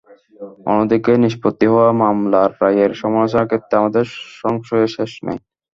অন্যদিকে নিষ্পত্তি হওয়া মামলার রায়ের সমালোচনার ক্ষেত্রে আমাদের সংশয়ের শেষ নেই।